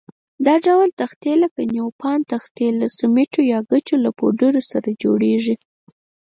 دا ډول تختې لکه نیوپان تختې له سمنټو یا ګچو له پوډر سره جوړېږي.